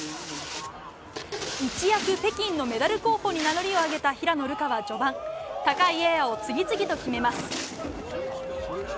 一躍、北京のメダル候補に名乗りを上げた平野流佳は序盤高いエアを次々と決めます。